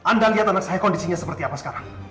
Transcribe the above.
anda lihat anak saya kondisinya seperti apa sekarang